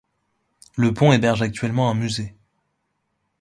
Le pont héberge actuellement un musée.